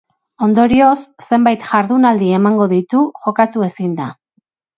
Ondorioz, zenbait jardunaldi emango ditu jokatu ezinda.